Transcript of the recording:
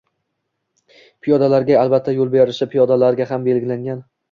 Piyodalarga albatta yoʻl berishi, piyodalarga ham belgilangan